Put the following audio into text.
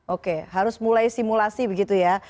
oke harus mulai simulasi begitu ya